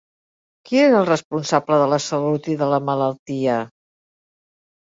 Qui era el responsable de la salut i de la malaltia?